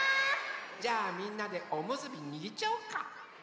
じゃあみんなでおむすびにぎっちゃおうか！